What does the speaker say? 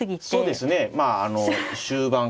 そうですね。